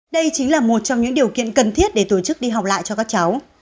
đây chính là một trong những điều kiện cần thiết để tổ chức đi học lại cho các cháu